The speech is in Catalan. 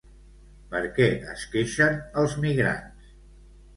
Per què es queixen els migrants?